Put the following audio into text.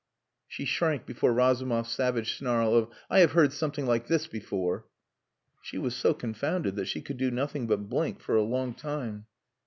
She shrank before Razumov's savage snarl of, "I have heard something like this before." She was so confounded that she could do nothing but blink for a long time.